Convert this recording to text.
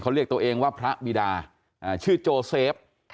เขาเรียกตัวเองว่าพระบิดาชื่อโจเซฟ